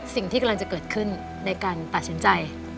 สิ่งที่กำลังจะเกิดขึ้นในการตัดสินใจ